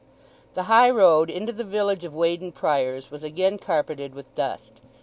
The highroad into the village of Weydon Priors was again carpeted with dust.